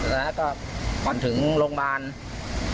แล้วก็ก่อนถึงโรงพยาบาล